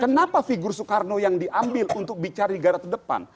kenapa figur soekarno yang diambil untuk bicara di negara terdepan